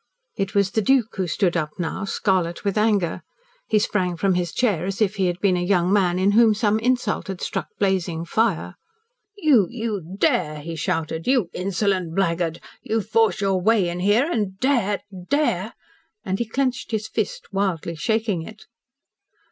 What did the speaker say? It was the Duke who stood up now, scarlet with anger. He sprang from his chair as if he had been a young man in whom some insult had struck blazing fire. "You you dare!" he shouted. "You insolent blackguard! You force your way in here and dare dare !" And he clenched his fist, wildly shaking it.